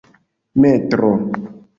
metro